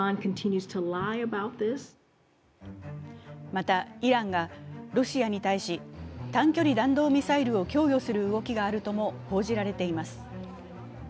また、イランがロシアに対し短距離弾道ミサイルを供与する動きがあるとも報じられています。